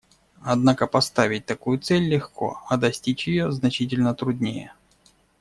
Однако поставить такую цель легко, а достичь ее значительно труднее.